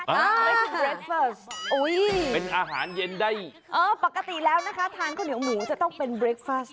เป็นอาหารเย็นได้เออปกติแล้วนะคะทานข้าวเหนียวหมูจะต้องเป็นเรคฟัส